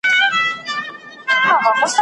خبر کابل ته ورسید.